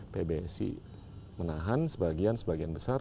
pbsi menahan sebagian sebagian besar